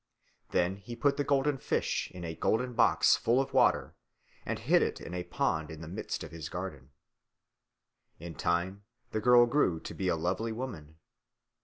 Then he put the golden fish in a golden box full of water, and hid it in a pond in the midst of his garden. In time the girl grew to be a lovely woman.